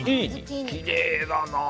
きれいだな。